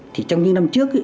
thì trong những năm trước